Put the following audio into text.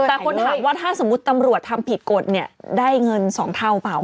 แต่คนถามว่าถ้าสมมุติตำรวจทำผิดกฎเนี่ยได้เงิน๒เท่าเปล่า